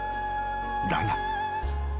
［だが］